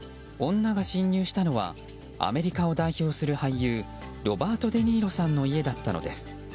女が侵入したのはアメリカを代表する俳優ロバート・デニーロさんの家だったのです。